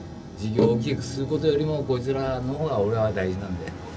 事業大きくすることよりもこいつらの方が俺は大事なんだよ。